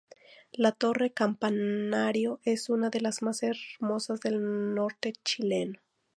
La torre campanario es una de las más hermosa del norte chileno.